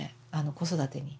子育てに。